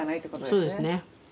そうですね。